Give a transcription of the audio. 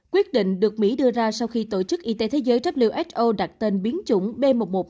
quyết định được mỹ đưa ra sau khi tổ chức y tế thế giới who đặt tên biến chủng b một một năm trăm hai mươi chín